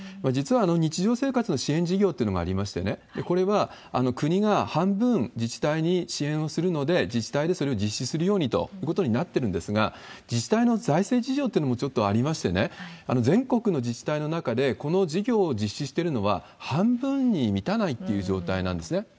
実は日常生活の支援事業というのがありましてね、これは国が半分、自治体に支援をするので、自治体でそれを実施するようにということになってるんですが、自治体の財政事情ってのもちょっとありまして、全国の自治体の中でこの事業を実施してるのは半分に満たないっていう状態なんですね。